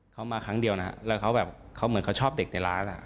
เขามาครั้งเดียวแล้วเขาเหมือนเขาชอบเด็กในร้าน